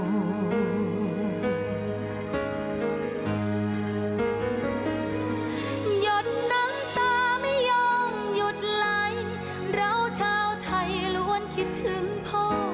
ย่นน้ำตาไม่ยอมหยุดไหลเราชาวไทยล้วนคิดถึงพ่อ